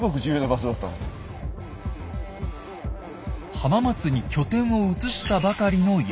浜松に拠点を移したばかりの家康。